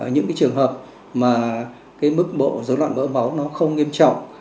những trường hợp mà mức bộ dối loạn mỡ máu không nghiêm trọng